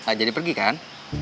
gak jadi pergi kan